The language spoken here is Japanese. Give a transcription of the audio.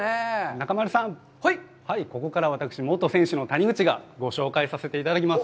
中丸さん、ここから私、元選手の谷口がご紹介させていただきます。